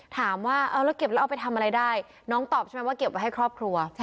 ถามว่าเอาแล้วเก็บแล้วเอาไปทำอะไรได้น้องตอบใช่ไหมว่าเก็บไว้ให้ครอบครัว